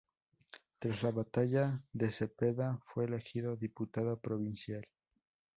Tras la batalla de Cepeda, fue elegido diputado provincial.